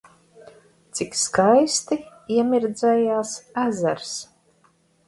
Cik skaisti iemirdzējās ezers!